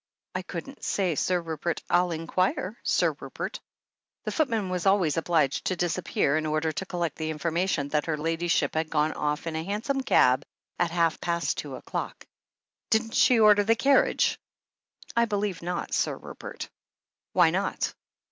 "I couldn't say. Sir Rupert. I'll inquire. Sir Rupert." The footman was always obliged to disappear, in order to collect the information that her Ladyship had gone off in a hansom cab at half past two o'clock. "Didn't she order the carriage?" "I believe not. Sir Rupert." . "Why not?